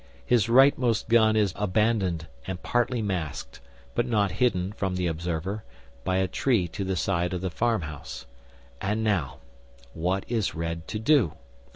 His rightmost gun is abandoned and partly masked, but not hidden, from the observer, by a tree to the side of the farmhouse. And now, what is Red to do?